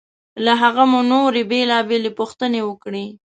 له هغه مو نورې بېلابېلې پوښتنې وکړې.